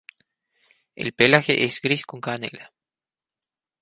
El pelaje es gris con canela.